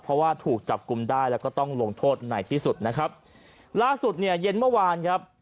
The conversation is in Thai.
เพราะว่าถูกจับกลุ่มได้และก็ต้องลงโทษไหนที่สุดล่าสุดเย็นเมื่อวาน